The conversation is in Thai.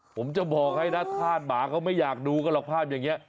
ผมจะบอกให้นะธาตุหมาเขาไม่อยากดูกันหรอกภาพอย่างนี้